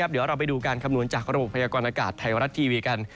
เดี๋ยวเราไปดูการคำนวณจากระบบพยากรณากาศไทยรัฐทีวีกัน